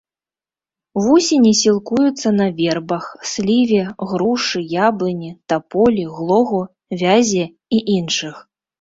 Вусені сілкуюцца на вербах, сліве, грушы, яблыні, таполі, глогу, вязе і іншых.